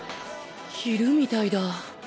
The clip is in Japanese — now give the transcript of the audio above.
昼みたいだ。